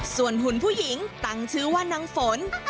ส่วนหุ่นผู้หญิงตั้งชื่อว่านางฝน